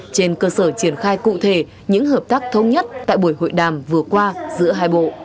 trên cơ sở triển khai cụ thể những hợp tác thông nhất tại buổi hội đàm vừa qua giữa hai bộ